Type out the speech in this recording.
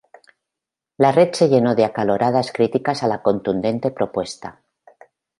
la Red se llenó de acaloradas críticas a la contundente propuesta